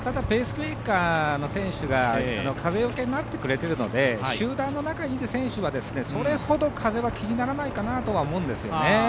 ペースメーカーの選手が風よけになってくれてるので集団の中にいる選手はそれほど風は気にならないかなと思うんですよね。